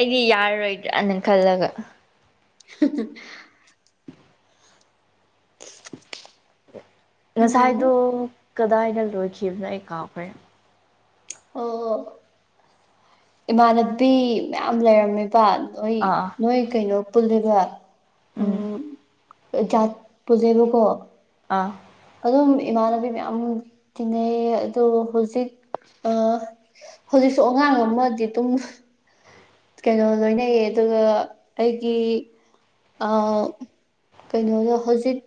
ꯑꯩꯗꯤ ꯌꯥꯔꯔꯣꯏꯗ꯭ꯔꯅ ꯈꯜꯂꯒ꯫ ꯍꯥ ꯍꯥ [unintelligible] ꯎꯝ ꯉꯁꯥꯏꯗꯣ ꯀꯗꯥꯏꯗ ꯂꯣꯏꯈꯤꯕꯅꯣ ꯑꯩ ꯀꯥꯎꯈ꯭ꯔꯦ꯫ ꯑꯣ ꯏꯃꯥꯟꯅꯕꯤ ꯃꯌꯥꯝ ꯂꯩꯔꯝꯃꯦꯕ꯫ ꯅꯣꯏ ꯑꯥ ꯅꯣꯏ ꯀꯩꯅꯣ ꯄꯨꯜꯂꯤꯒ꯫ ꯑꯥ ꯎꯝ ꯎꯝ ꯖꯥꯠ ꯄꯨꯖꯩꯕꯀꯣ꯫ ꯑꯥ ꯑꯗꯨꯝ ꯏꯃꯥꯟꯅꯕꯤ ꯃꯌꯥꯝ ꯇꯤꯅꯩꯌꯦ꯫ ꯑꯗꯨꯕꯨ ꯍꯧꯖꯤꯛ ꯑ ꯍꯧꯖꯤꯛꯁꯨ ꯑꯉꯥꯡ ꯑꯃꯗꯤ ꯇꯨ ꯍ ꯀꯩꯅꯣ ꯂꯣꯏꯅꯩꯌꯦ ꯑꯗꯨꯒ ꯑꯩꯒꯤ ꯑꯥ ꯀꯩꯅꯣꯗ ꯍꯧꯖꯤꯛ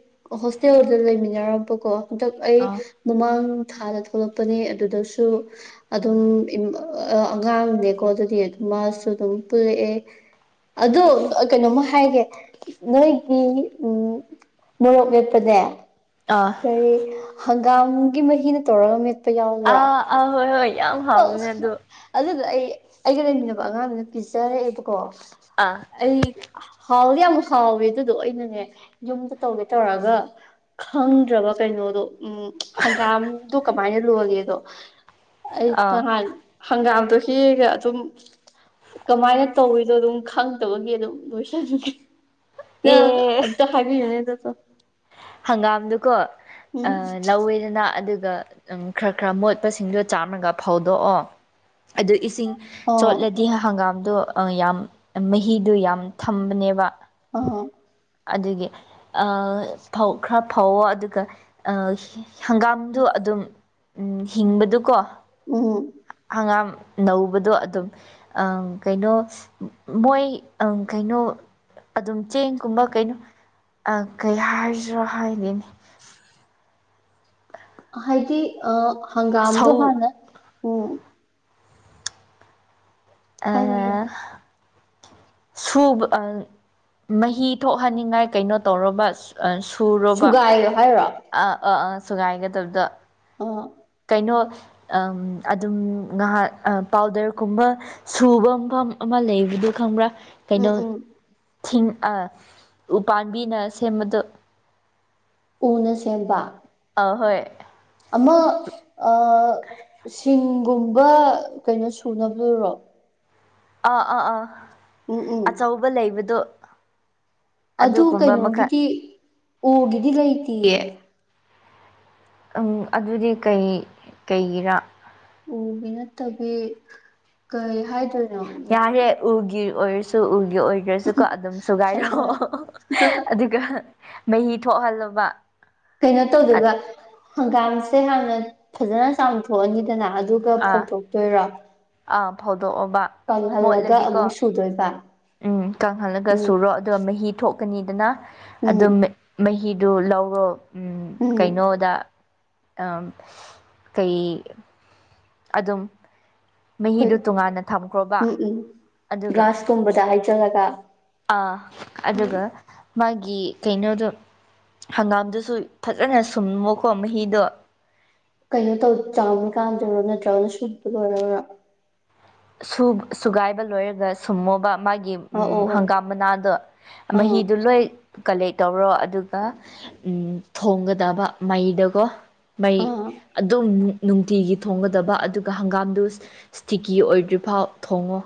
ꯍꯣꯁꯇꯦꯜꯗ ꯂꯩꯃꯤꯟꯅꯔꯝꯕꯀꯣ ꯍꯟꯗꯛ ꯑꯩ ꯑꯥ ꯃꯃꯥꯡ ꯊꯥꯗ ꯊꯣꯛꯂꯛꯄꯅꯦ꯫ ꯑꯗꯨꯗꯁꯨ ꯑꯗꯨꯝ ꯏꯝ ꯑꯑꯉꯥꯡꯅꯦꯀꯣ ꯑꯗꯨꯗꯤ ꯑꯗꯨ ꯃꯥꯁꯨ ꯑꯗꯨꯝ ꯄꯨꯜꯂꯛꯑꯦ꯫ ꯑꯗꯣ ꯑ ꯀꯩꯅꯣꯝꯃ ꯍꯥꯏꯒꯦ ꯅꯣꯏꯒꯤ ꯎꯝ ꯃꯣꯔꯣꯛ ꯃꯦꯠꯄꯖꯦ꯫ ꯑꯥ ꯀꯔꯤ ꯍꯪꯒꯥꯝꯒꯤ ꯃꯍꯤꯅ ꯇꯧꯔꯛꯒ ꯃꯦꯠ ꯑꯥ ꯑꯥ ꯍꯣꯏ ꯍꯣꯏ ꯌꯥꯝ ꯍꯥꯎꯕꯅꯦ ꯑꯗꯨ ꯑꯗꯨꯗꯣ ꯑꯩ ꯑꯩꯒ ꯂꯩꯃꯤꯟꯅꯕ ꯑꯉꯥꯡꯗꯨꯅ ꯄꯤꯖꯔꯛꯑꯦꯕꯀꯣ ꯑꯥ ꯑꯩ ꯍꯥꯎꯗꯤ ꯌꯥꯝ ꯍꯥꯎꯋꯦ ꯑꯗꯨꯗꯣ ꯑꯩꯅꯅꯦ ꯌꯨꯝꯗ ꯇꯧꯒꯦ ꯇꯧꯔꯒ ꯈꯪꯗ꯭ꯔꯕ ꯀꯩꯅꯣꯗꯣ ꯎꯝ ꯍꯪꯒꯥꯝꯗꯣ ꯀꯃꯥꯏꯅ ꯂꯣꯏꯒꯦꯗꯣ ꯑꯩ ꯑꯥ ꯅꯍꯥꯟ ꯍꯪꯒꯥꯝꯗꯣ ꯍꯦꯛꯑꯒ ꯑꯗꯨꯝ ꯀꯃꯥꯏꯅ ꯇꯧꯔꯤꯗꯣ ꯑꯗꯨꯝ ꯈꯪꯗꯕꯒꯤ ꯑꯗꯨꯝ ꯂꯣꯏꯁꯟꯒꯔ꯭ꯦ꯫ ꯑꯦ ꯅꯪ ꯑꯝꯇ ꯍꯥꯏꯕꯤꯌꯨꯅꯦ ꯑꯝꯇ ꯆꯣ ꯍꯪꯒꯥꯝꯗꯨꯀꯣ ꯎꯝ ꯑꯥ ꯂꯧꯋꯦꯗꯅ ꯑꯗꯨꯒ ꯈꯔ ꯈꯔ ꯃꯣꯠꯄꯁꯤꯡꯗꯣ ꯆꯥꯝꯔꯒ ꯐꯧꯗꯣꯛꯑꯣ ꯑꯗꯨ ꯏꯁꯤꯡ ꯑꯣ ꯆꯣꯠꯂꯗꯤ ꯍꯪꯒꯥꯝꯗꯣ ꯑꯥ ꯌꯥꯝ ꯃꯍꯤꯗꯨ ꯌꯥꯝ ꯊꯝꯕꯅꯦꯕ ꯑꯥ ꯑꯗꯨꯒꯤ ꯑ ꯐꯧ ꯈꯔ ꯐꯧꯋꯣ ꯑꯗꯨꯒ ꯑꯥ ꯍꯤ ꯍꯪꯒꯥꯝꯗꯨ ꯑꯗꯨꯝ ꯎꯝ ꯍꯤꯡꯕꯗꯨꯀꯣ ꯎꯝ ꯍꯪꯒꯥꯝ ꯅꯧꯕꯗꯣ ꯑꯗꯨꯝ ꯑꯪ ꯀꯩꯅꯣ ꯁ ꯃꯣꯏ ꯑꯪ ꯀꯩꯅꯣ ꯑꯗꯨꯝ ꯆꯦꯡꯒꯨꯝꯕ ꯀꯩꯅꯣ ꯑ ꯀꯩ ꯍꯥꯏꯁꯤꯔꯣ ꯍꯥꯏꯔꯤꯅꯦ [unintelligible] ꯍꯥꯏꯗꯤ ꯑ ꯍꯪꯒꯥꯝꯗꯣ ꯁꯧ ꯍꯥꯟꯅ ꯎꯝ ꯑ ꯍꯥꯏꯔꯣ ꯍꯥꯏꯔꯣ ꯁꯨꯕ ꯑꯪ ꯃꯍꯤ ꯊꯣꯛꯍꯟꯅꯤꯡꯉꯥꯏ ꯀꯩꯅꯣ ꯇꯧꯔꯕ ꯁꯣꯔꯕ ꯁꯨꯒꯥꯏꯌꯣ ꯍꯥꯏꯔꯣ ꯑꯥ ꯑꯥ ꯑꯥ ꯁꯨꯒꯥꯏꯒꯗꯕꯗꯣ ꯑ ꯀꯩꯅꯣ ꯑꯗꯨꯝ ꯉꯥꯏꯍꯥꯛ ꯄꯥꯎꯗꯔꯒꯨꯝꯕ ꯁꯨꯕ ꯃꯐꯝ ꯑꯃ ꯂꯩꯕꯗꯨꯣ ꯈꯪꯕ꯭ꯔꯥ ꯎꯝ ꯀꯩꯅꯣ ꯎꯝ ꯊ ꯎꯄꯥꯥꯝꯕꯤꯅ ꯁꯦꯝꯕꯗꯣ ꯎꯅ ꯁꯦꯝꯕ ꯑ ꯍꯣꯏ ꯑꯃ ꯁꯤꯡꯒꯨꯝꯕ ꯀꯩꯅꯣ ꯁꯨꯅꯕ ꯂꯔꯣ ꯑꯥ ꯑꯥ ꯑꯥ ꯎꯝ ꯎꯝ ꯑꯆꯧꯕ ꯂꯩꯕꯗꯣ ꯑꯗꯨ ꯑꯗꯨꯒꯨꯝꯕ ꯃꯈꯜ ꯀꯩꯅꯣꯒꯤꯗꯤ ꯑꯣꯒꯤꯗꯤ ꯂꯩꯇꯦꯌꯦ ꯎꯝ ꯑꯗꯨꯗꯤ ꯀꯩ ꯀꯩꯒꯤꯔꯥ ꯎ ꯅꯠꯇꯕꯤ ꯀꯩ ꯍꯥꯏꯗ ꯌꯥꯔꯦ ꯎꯒꯤ ꯑꯣꯏꯔꯁꯨ ꯎꯒꯤ ꯑꯣꯏꯗ꯭ꯔꯁꯨ ꯁꯨ ꯀꯣ ꯑꯗꯨꯝ ꯍꯣꯏ ꯁꯨꯒꯥꯏꯔꯣꯑꯣ ꯍꯣꯏ ꯑꯗꯨꯒ ꯃꯍꯤ ꯊꯣꯛꯍꯜꯂꯣꯕ ꯀꯩꯅꯣ ꯑ ꯇꯧꯗꯣꯏꯕ ꯍꯪꯒꯥꯝꯁꯦ ꯍꯥꯟꯅ ꯐꯖꯅ ꯆꯥꯝꯊꯣꯛꯑꯅꯤꯗꯅ ꯑꯗꯨꯒ ꯑꯥ ꯐꯧꯗꯣꯛꯇꯣꯏꯔꯣ ꯑꯥ ꯐꯥꯎꯗꯣꯛꯑꯕ ꯀꯪꯍꯜꯂꯒ ꯑꯃꯨꯛ ꯁꯨꯗꯣꯏꯕ ꯎꯝ ꯀꯪꯍꯜꯂꯒ ꯎꯝ ꯁꯨꯔꯣ ꯑꯗꯨꯒ ꯃꯍꯤ ꯊꯣꯛꯀꯅꯤꯗꯅ ꯎꯝ ꯑꯗꯨꯝ ꯃꯍꯤꯗꯨ ꯂꯧꯔꯣ ꯎꯝ ꯎꯝ ꯀꯩꯅꯣꯗ ꯀꯩ ꯑꯗꯨꯝ ꯍꯣꯏ ꯃꯍꯤꯗꯨꯣ ꯇꯣꯉꯥꯟꯅ ꯊꯝꯈ꯭ꯔꯣꯕ ꯑꯗꯨꯒ ꯌꯥ ꯍꯥꯏ ꯆ ꯅꯀ ꯑ ꯑꯗꯨꯒ ꯃꯥꯒꯤ ꯀꯩꯅꯣꯗꯣ ꯍꯪꯒꯥꯝꯗꯨꯁꯨ ꯐꯖꯅ ꯁꯨꯝꯃꯣꯀꯣ ꯃꯍꯤꯗꯣ ꯀꯩꯅꯣ ꯇꯧ ꯆꯥꯃꯤ ꯀꯥꯟꯗꯔꯣ ꯅꯠꯇ꯭ꯔꯒꯅ ꯁꯨꯠꯄꯗ ꯑꯣꯏꯔꯔꯥ ꯁꯨꯒꯥꯏꯕ ꯂꯣꯏꯔꯒ ꯁꯨꯝꯃꯣꯕ ꯃꯥꯒꯤ ꯑꯣ ꯎꯝ ꯍꯪꯒꯥꯝ ꯃꯅꯥꯗꯣ ꯑꯣ ꯃꯍꯤꯗꯣ ꯂꯣꯏ ꯀꯂꯦꯛ ꯇꯧꯔꯣ ꯑꯗꯨꯒ ꯊꯣꯡꯒꯗꯕ ꯃꯩꯗꯒꯣ ꯃꯩ ꯑꯥ ꯑꯥ ꯑꯗꯨꯝ ꯅꯨꯡꯇꯤꯒꯤ ꯊꯣꯡꯒꯗꯕ ꯑꯗꯨꯒ ꯍꯪꯒꯥꯝꯗꯨ ꯏꯁꯤꯛ ꯀꯤ ꯑꯣꯏꯗ꯭ꯔꯤꯐꯥꯎ ꯊꯣꯡꯉꯨ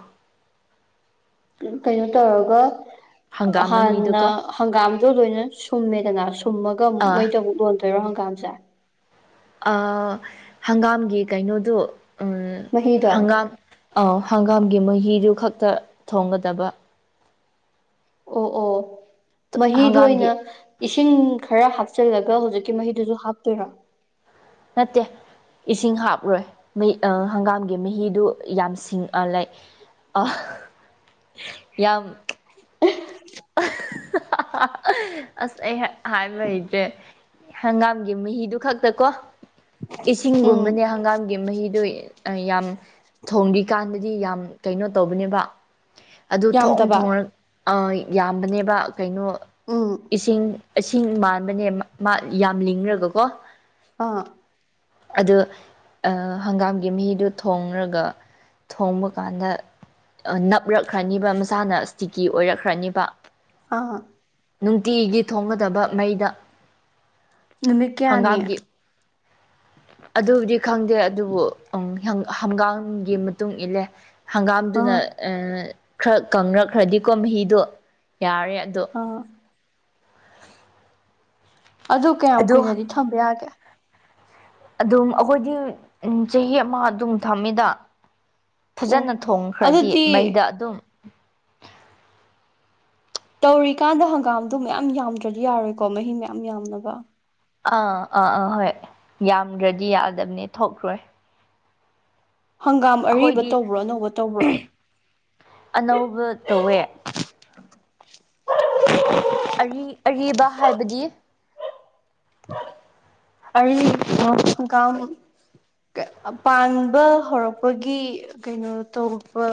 ꯀꯩꯅꯣ ꯇꯧꯔꯒ ꯍꯪꯒꯥꯝ ꯍꯥꯟꯅ ꯃꯍꯤꯗꯨꯀꯣ ꯍꯪꯒꯥꯝꯗꯣ ꯂꯣꯏꯅ ꯁꯨꯝꯃꯦꯗꯅ ꯁꯨꯝꯃꯒ ꯑꯃꯨꯛ ꯑꯥ ꯃꯩꯗ ꯑꯃꯨꯛ ꯂꯣꯟ ꯀꯣꯏꯔꯣ ꯍꯪꯒꯥꯝꯁꯦ ꯍꯪꯒꯥꯝꯒꯤ ꯀꯩꯅꯣꯗꯣ ꯃꯍꯤꯗꯣ ꯍꯪꯒꯥꯝ ꯑꯧ ꯍꯪꯒꯥꯝꯒꯤ ꯃꯍꯨꯤꯗꯨ ꯈꯛꯇ ꯊꯣꯡꯒꯗꯕ ꯑꯣ ꯑꯣ ꯃꯍꯤꯗ ꯍꯪꯒꯥꯝꯒꯤ ꯑꯣꯏꯅ ꯏꯁꯤꯡ ꯈꯔ ꯍꯥꯞꯆꯤꯜꯂꯒ ꯍꯧꯖꯤꯛꯀꯤ ꯃꯍꯤꯗꯨꯁꯨ ꯍꯥꯞꯇꯣꯏꯔꯥ ꯅꯠꯇꯦ ꯏꯁꯤꯡ ꯍꯥꯞꯂꯣꯏꯩ ꯍꯪꯒꯥꯝꯒꯤ ꯃꯍꯤꯗꯨ ꯌꯥꯝ ꯁꯤꯡ ꯂꯥꯏ ꯌꯥꯝ [unintelligible] ꯑꯁ ꯑꯩ ꯍꯥꯏꯕ ꯂꯩꯇꯦ ꯍꯪꯒꯥꯝꯒꯤ ꯃꯍꯤꯗꯨ ꯈꯛꯇ ꯀꯣ ꯎꯝ ꯏꯁꯤꯡꯒꯨꯝꯕꯅꯦ ꯍꯪꯒꯥꯝꯒꯤ ꯃꯍꯤꯗꯨ ꯌꯥꯝ ꯊꯣꯡꯕꯤꯀꯥꯟꯗꯗꯤ ꯌꯥꯝ ꯀꯩꯅꯣ ꯇꯧꯕꯅꯦꯕ ꯑꯗꯨ ꯊꯑ ꯌꯥꯝꯗꯕ ꯊꯣꯡꯅ ꯌꯥꯝꯕꯅꯦꯕ ꯀꯩꯅꯣ ꯎꯝ ꯏꯁꯤꯡ ꯑꯁꯤ ꯃꯥꯟꯕꯅꯦ ꯃꯥ ꯌꯥꯝ ꯂꯤꯡꯈ꯭ꯔꯒꯀꯣ ꯑꯥ ꯑꯗ ꯍꯪꯒꯥꯝꯒꯤ ꯃꯍꯤꯗꯨ ꯊꯣꯡꯔꯒ ꯊꯣꯡꯕ ꯀꯥꯟꯗ ꯅꯞꯂꯛꯈ꯭ꯔꯅꯤꯕ ꯃꯁꯥꯅ ꯏꯁꯇꯤꯀꯤ ꯑꯣꯏꯔꯛꯈ꯭ꯔꯅꯤꯕ ꯇ ꯑꯥꯥ ꯅꯨꯡꯇꯤꯒꯤ ꯊꯣꯡꯒꯗꯕ ꯃꯩꯗ ꯅꯨꯃꯤꯠ ꯀꯌꯥꯅꯤ ꯍꯪꯒꯥꯝꯒꯤ ꯏꯪ ꯑꯗꯨꯕꯨꯗꯤ ꯈꯪꯗꯦ ꯑꯗꯨꯕꯨ ꯎꯝ ꯍꯪꯒꯥꯝꯒꯤ ꯃꯇꯨꯡ ꯏꯜꯂꯦ ꯍꯪꯒꯥꯝꯗꯨꯅ ꯑꯥ ꯈꯔ ꯀꯪꯅꯛꯈ꯭ꯔꯗꯤꯀꯣ ꯃꯍꯤꯗꯣ ꯌꯥꯔꯦ ꯑꯗꯣ ꯑꯣ [unintelligible] ꯑꯗꯨ ꯀꯌꯥꯝ ꯑꯗꯣ ꯀꯨꯏꯅꯗꯤ ꯊꯝꯕ ꯌꯥꯒꯦ ꯑꯗꯨꯝ ꯑꯩꯈꯣꯏꯗꯤ ꯆꯍꯤ ꯑꯃ ꯑꯗꯨꯝ ꯊꯝꯃꯤꯗ ꯑꯣ ꯐꯖꯅ ꯊꯣꯡꯈ꯭ꯔꯗꯤ ꯑꯗꯨꯗꯤ ꯃꯩꯗ ꯑꯗꯨꯝ ꯇꯧꯔꯤꯀꯥꯟꯗ ꯍꯪꯒꯥꯝꯗꯨ ꯃꯌꯥꯝ ꯌꯥꯝꯗ꯭ꯔꯗꯤ ꯌꯥꯔꯣꯏꯀꯣ ꯃꯍꯤ ꯃꯌꯥꯝ ꯌꯥꯝꯅꯕ ꯑꯥ ꯑꯥ ꯑꯥ ꯍꯣꯏ ꯌꯥꯝꯗ꯭ꯔꯗꯤ ꯌꯥꯗꯕꯅꯦ ꯊꯣꯛꯈ꯭ꯔꯣꯏ ꯍꯪꯒꯥꯝ ꯑꯔꯤꯕ ꯑꯩꯈꯣꯏꯗꯤ ꯇꯧꯕ꯭ꯔꯣ ꯑꯅꯧꯕ ꯇꯧꯕ꯭ꯔꯣ ꯑꯅꯧꯕ ꯇꯧꯋꯦ ꯑ ꯑꯔꯤꯕ ꯍꯥꯏꯕꯗꯤ ꯑꯔꯤꯥꯎ ꯄꯥꯟꯕ ꯍꯧꯔꯛꯄꯒꯤ ꯀꯩꯅꯣ ꯇꯔꯛꯄ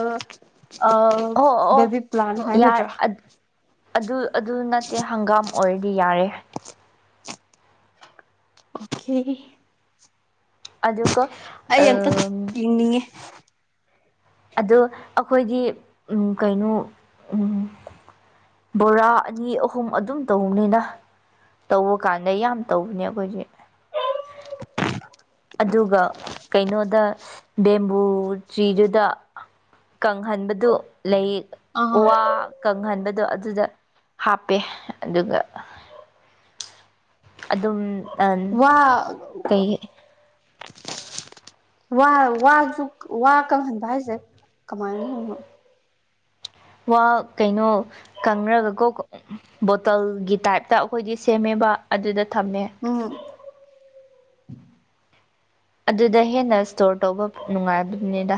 ꯑ ꯑꯣ ꯑꯣ ꯕꯦꯕꯤ ꯄ꯭ꯂꯥꯟ ꯍꯥꯏꯒꯗ꯭ꯔꯥ ꯌꯥꯔ ꯑꯗꯨ ꯑꯗꯨ ꯅꯠꯇꯦ ꯍꯪꯒꯥꯝ ꯑꯣꯏꯔꯗꯤ ꯌꯥꯔꯦ ꯑꯣꯦ ꯑꯗꯀ ꯎꯅꯤ ꯑꯗꯣ ꯑꯩꯈꯣꯏꯗꯤ ꯀꯩꯅꯣ ꯕꯣꯔꯥ ꯑꯅꯤ ꯑꯍꯨꯝ ꯑꯗꯨꯝ ꯇꯧꯅꯤꯅ ꯇꯧꯕ ꯀꯥꯟꯗ ꯌꯥꯝ ꯇꯧꯕꯅꯦ ꯑꯩꯈꯣꯏꯁꯦ ꯇꯤꯪ ꯑꯗꯨꯒ ꯀꯩꯅꯣꯗ ꯕꯦꯝꯕꯨ ꯇ꯭ꯔꯤꯗꯨꯗ ꯀꯪꯍꯟꯕꯗꯨ ꯂꯩ ꯎ ꯑꯥ ꯋꯥ ꯀꯪꯍꯟꯕꯗꯣ ꯑꯗꯨꯗ ꯍꯥꯞꯄꯦ ꯑꯗꯨꯒ ꯑꯗꯨꯝ ꯋꯥ ꯀꯩ ꯋꯥ ꯋꯥꯁꯨ ꯋꯥ ꯀꯪꯍꯟꯕ ꯍꯥꯏꯁꯦ ꯀꯃꯥꯏꯅꯅꯣ ꯋꯥ ꯀꯩꯅꯣ ꯀꯪꯔꯒꯀꯣ ꯕꯣꯇꯜꯒꯤ ꯇꯥꯏꯞꯇ ꯑꯩꯈꯣꯏꯗꯤ ꯁꯦꯝꯃꯦꯕ ꯑꯗꯨꯗ ꯊꯝꯃꯦ ꯎꯝ ꯑꯗꯨꯗ ꯍꯦꯟꯅ ꯏꯁ꯭ꯇꯣꯔ ꯇꯧꯕ ꯅꯨꯡꯉꯥꯏꯕꯗꯨꯅꯤꯗ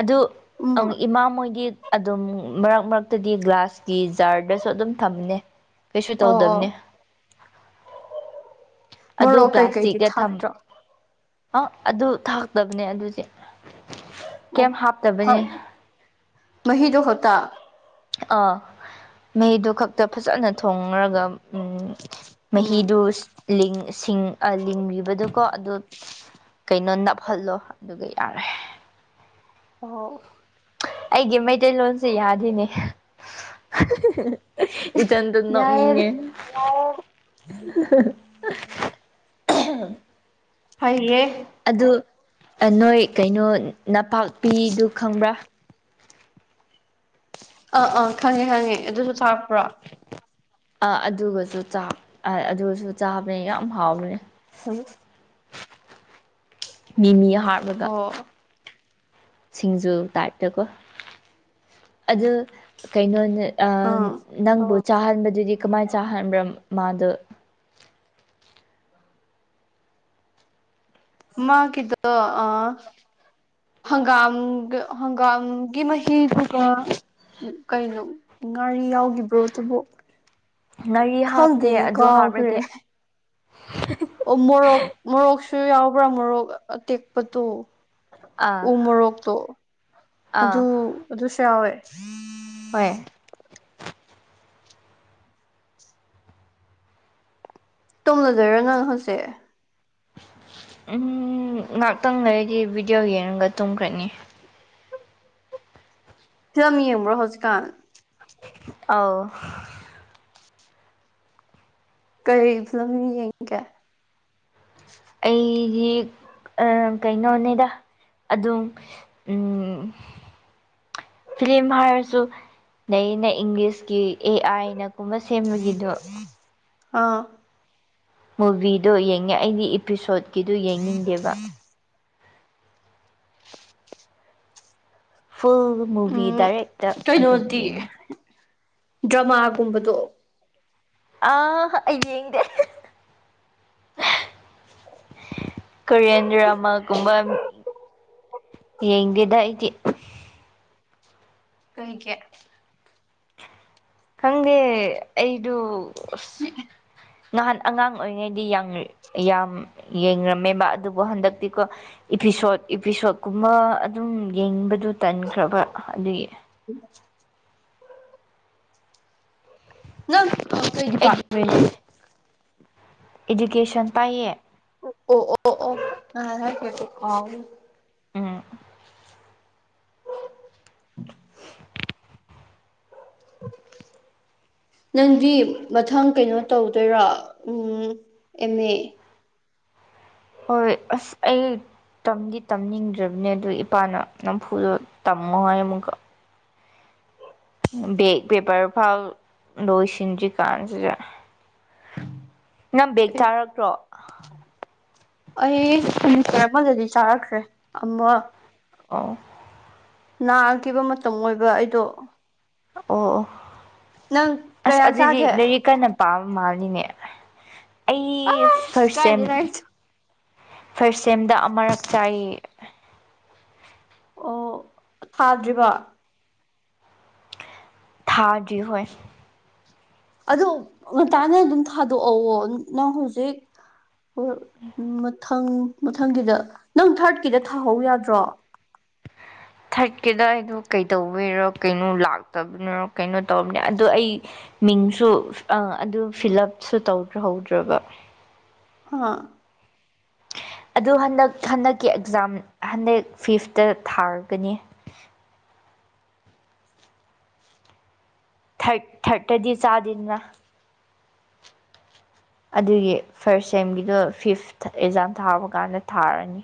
ꯑꯗꯨ ꯎꯝ ꯑꯪ ꯏꯃꯥ ꯍꯣꯏꯗꯤ ꯑꯗꯨꯝ ꯃꯔꯛ ꯃꯔꯛꯇꯗꯤ ꯒ꯭ꯂꯥꯁꯀꯤ ꯖꯥꯔꯗꯁꯨ ꯑꯗꯨꯝ ꯊꯝꯅꯦ ꯀꯩꯁꯨ ꯑꯣ ꯑꯣ ꯇꯧꯗꯕꯅꯦ ꯑꯗꯨ ꯃꯣꯔꯣꯛ ꯀꯩꯀꯩꯗꯤ ꯄ꯭ꯂꯥꯁꯇꯤꯛꯇ ꯊꯝ ꯊꯥꯛꯇ꯭ꯔꯣ ꯑ ꯑꯗꯨ ꯊꯥꯛꯇꯕꯅꯦ ꯑꯗꯨꯗꯤ ꯑꯣ ꯀꯩꯝ ꯍ ꯍꯥꯞꯇꯕꯅꯦ ꯃꯍꯤꯗ ꯍꯇꯥ ꯑꯥ ꯃꯩꯗꯨ ꯈꯛꯇ ꯐꯖꯅ ꯊꯣꯉꯔꯒ ꯎ ꯃꯍꯤꯗꯨ ꯎꯝ ꯂꯤꯡꯕꯗꯨꯀꯣ ꯑꯗꯣ ꯀꯩꯅꯣ ꯅꯞꯍꯜꯂꯣ ꯑꯗꯨꯒ ꯌꯥꯔꯦ ꯑꯣ ꯑꯩꯒꯤ ꯃꯩꯇꯩꯂꯣꯟꯁꯦ ꯌꯥꯗꯤꯅꯦ ꯏꯆꯟꯗꯝ ꯌꯥꯏꯌꯦ ꯅꯣꯛꯅꯤꯡꯉꯦ ꯎ ꯍꯌꯦꯌꯦ ꯑꯗꯨ ꯅꯣꯏ ꯀꯩꯅꯣ ꯅꯄꯥꯛꯄꯤꯗꯨ ꯈꯪꯕ꯭ꯔꯥ ꯑꯥ ꯑꯥ ꯈꯪꯉꯦ ꯈꯪꯉꯦ ꯑꯗꯨꯁꯨ ꯊꯥꯛꯄ꯭ꯔꯣ ꯑꯗꯨꯒꯁꯨ ꯆꯥꯛ ꯑꯗꯨꯁꯨ ꯆꯥꯕꯅꯦ ꯌꯥꯝ ꯍꯥꯎꯕꯅꯦ ꯥ [unintelligible] ꯃꯤꯃꯤ ꯍꯥꯞꯂꯒ ꯑꯣ ꯁꯤꯡꯖꯨ ꯇꯥꯏꯞꯇꯀꯣ ꯑꯗꯨ ꯀꯩꯅꯣꯅꯦ ꯑꯥ ꯅꯪꯕꯨ ꯆꯥꯍꯟꯕꯗꯨꯗꯤ ꯀꯃꯥꯏ ꯆꯥꯍꯟꯕ꯭ꯔꯣ ꯃꯥꯗꯣ ꯃꯥ ꯒꯤꯗꯣ ꯑ ꯍꯪꯒꯥꯝꯒ ꯍꯪꯒꯥꯝꯒꯤ ꯃꯍꯤꯗꯨꯒ ꯀꯩꯅꯣ ꯉꯥꯔꯤ ꯌꯥꯎꯕ꯭ꯔꯣ ꯑꯗꯨꯕꯨ ꯉꯥꯔꯤ ꯍꯥꯞꯇꯦ ꯈꯪꯗꯦꯅꯦ ꯑꯗꯨ ꯀꯥꯎꯒ꯭ꯔꯦ ꯍꯥꯞꯂꯗꯤ ꯑꯣ ꯃꯣꯔꯣꯛ ꯃꯣꯔꯣꯛꯁꯨ ꯌꯥꯎꯕ꯭ꯔꯥ ꯃꯣꯔꯣꯛ ꯑꯇꯦꯛꯄꯗꯣ ꯑꯥ ꯎ ꯃꯣꯔꯣꯛꯇꯣ ꯑꯥ ꯑꯗꯨ ꯑꯗꯨꯁꯨ ꯌꯥꯎꯋꯦ ꯍꯣꯏ ꯇꯨꯝꯂꯗꯣꯏꯔ ꯅꯡ ꯍꯧꯖꯤꯛ ꯎꯝ ꯉꯍꯥꯛꯇꯪ ꯂꯩꯔꯗꯤ ꯚꯤꯗꯤꯑꯣ ꯌꯦꯡꯉꯒ ꯇꯨꯝꯈ꯭ꯔꯅꯤ ꯐꯤꯂꯝ ꯌꯦꯡꯕ꯭ꯔꯣ ꯍꯧꯖꯤꯛꯀꯥꯟ ꯑꯥꯎ ꯀꯩ ꯐꯤꯂꯝ ꯌꯦꯡꯒꯦ ꯑꯩꯗꯤ ꯑ ꯀꯩꯅꯣꯅꯦꯗ ꯑꯗꯨꯝ ꯎ ꯐꯤꯂꯤꯝ ꯍꯥꯏꯔꯁꯨ ꯂꯩꯌꯦꯅ ꯏꯪꯂꯤꯁꯀꯤ ꯑꯦ ꯑꯥꯏꯅ ꯑ ꯃꯨꯚꯤꯗꯣ ꯌꯦꯡꯉꯦ ꯑꯩꯒꯤ ꯏꯄꯤꯁꯣꯠꯀꯤꯗꯨ ꯌꯦꯡꯅꯤꯡꯗꯦꯕ ꯐꯨꯜ ꯃꯨꯚꯤ ꯎꯝ ꯗꯥꯏꯔꯦꯛꯇ ꯑꯗꯨꯝ ꯀꯩꯅꯣꯗꯤ ꯌꯦꯡꯉꯤ ꯗ꯭ꯔꯃꯥꯒꯨꯝꯕꯗꯣ ꯑ ꯑꯩ ꯌꯦꯡꯗꯦ ꯀꯔꯤꯌꯥꯟꯗ꯭ꯔꯃꯒꯨꯝꯕ ꯌꯦꯡꯗꯦꯗ ꯑꯩꯗꯤ ꯀꯩꯒꯤ ꯈꯪꯗꯦ ꯑꯩꯗꯨ ꯅꯍꯥꯟ ꯑꯉꯥꯡ ꯑꯣꯏꯔꯤꯉꯩꯗꯤ ꯌꯥꯡ ꯌꯥꯝ ꯌꯦꯡꯔꯝꯃꯦꯕ ꯑꯗꯨꯕꯨ ꯍꯟꯗꯛꯇꯤꯀꯣ ꯏꯄꯤꯁꯣꯠ ꯏꯄꯤꯁꯣꯠꯀꯨꯝꯕ ꯑꯗꯨꯝ ꯌꯦꯡꯕꯗꯨ ꯇꯟꯈ꯭ꯔꯕ ꯑꯗꯨꯒꯤ [unintelligible] ꯅꯪ ꯀꯩ ꯑꯩꯗꯤ ꯗꯤꯄꯥꯔꯠꯃꯦꯟꯅꯣ ꯏꯖꯨꯀꯦꯁꯟ ꯄꯥꯏꯌꯦ ꯑꯣ ꯑꯣ ꯑꯣ ꯉꯍꯥꯟ ꯍꯥꯏꯈ꯭ꯔꯦꯀꯣ ꯀꯥꯎꯏ ꯎꯝ [unintelligible] ꯅꯪꯗꯤ ꯃꯊꯪ ꯀꯩꯅꯣ ꯇꯧꯗꯣꯏꯔꯣ ꯑꯨꯝ ꯑꯦꯝ ꯑꯦ ꯍꯣꯏ ꯑꯁ ꯑꯩ ꯇꯝꯗꯤ ꯇꯝꯅꯤꯡꯗ꯭ꯔꯕꯅꯤ ꯑꯗꯨ ꯏꯄꯥꯅ ꯅꯝꯐꯨꯗꯥ ꯇꯝꯃꯣ ꯍꯥꯏ ꯑꯃꯨꯛꯀ ꯕꯦꯛ ꯄꯦꯄꯔ ꯐꯥꯎ ꯂꯣꯏꯁꯤꯟꯗ꯭ꯔꯤꯀꯥꯟꯁꯤꯗ ꯅꯪ ꯕꯦꯛ ꯑꯦ ꯆꯥꯔꯛꯇ꯭ꯔꯣ ꯑꯩ ꯁꯤꯃꯤꯁꯇꯔ ꯑꯃꯗꯗꯤ ꯆꯥꯔꯛꯈ꯭ꯔꯦ ꯑꯃ ꯑꯣ ꯅꯥꯈꯤꯕ ꯃꯇꯝ ꯑꯣꯏꯕ ꯑꯩꯗꯣ ꯑꯣ ꯑꯣ ꯅꯪ ꯑꯁ ꯀꯌꯥ ꯑꯗꯨꯗꯤ ꯆꯥꯒꯦ ꯂꯩꯔꯤꯛ ꯀꯟꯅ ꯄꯥꯕ ꯃꯥꯜꯂꯤꯅꯦ ꯑꯩ ꯑꯁ ꯐꯥꯥꯔ꯭ꯁ ꯁꯦꯝ ꯀꯥꯏꯗꯩ ꯂꯥꯏꯔꯤꯛ ꯐꯥꯔ꯭ꯁ ꯁꯦꯝꯗ ꯑꯃꯔꯛ ꯆꯥꯏꯌꯦ ꯑꯣ ꯊꯥꯗ꯭ꯔꯤꯕ ꯊꯥꯗ꯭ꯔꯤ ꯍꯣꯏ ꯑꯗꯣ ꯉꯅꯦ ꯑꯗꯨꯝ ꯊꯥꯗꯣꯛ ꯅꯪ ꯍꯧꯖꯤꯛ ꯑꯣ ꯃꯊꯪ ꯃꯊꯪꯒꯤꯗ ꯅꯪ ꯊꯥꯔꯠꯀꯤꯗ ꯊꯥꯍꯧ ꯌꯥꯗ꯭ꯔꯣ ꯊꯥꯔꯠꯀꯤꯗ ꯑꯩꯗꯣ ꯀꯩꯗꯧꯕꯔꯣ ꯀꯩꯅꯣ ꯂꯥꯛꯇꯕꯅꯔꯣ ꯀꯩꯅꯣ ꯇꯧꯕꯅꯤ ꯑꯗꯣ ꯑꯩ ꯃꯤꯡꯁꯨ ꯑꯗꯨ ꯐꯤꯜ ꯎꯞꯁꯨ ꯇꯧꯍꯧꯗ꯭ꯔꯕ ꯍꯥꯥ ꯑꯗꯨ ꯍꯟꯗꯛ ꯍꯟꯗꯛꯀꯤ ꯑꯦꯛꯖꯥꯝ ꯍꯟꯗꯛ ꯐꯤꯐꯇ ꯊꯥꯔꯒꯅꯤ ꯊꯥꯕ꯭ꯠ ꯊꯥꯔꯇꯔꯗꯤ ꯆꯥꯗꯅꯤꯉꯥꯢ ꯑꯗꯨꯒꯤ ꯐꯥꯔꯁ ꯁꯦꯝꯒꯤꯗꯣ ꯐꯤꯐ ꯑꯦꯛꯖꯥꯝ ꯊꯥꯔꯕ ꯀꯥꯟꯗ ꯊꯥꯔꯅꯤ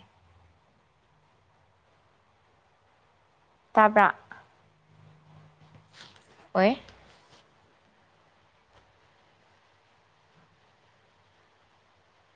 ꯇꯥꯕ꯭ꯔꯥ ꯑꯣꯏ